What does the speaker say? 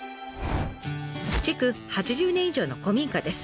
築８０年以上の古民家です。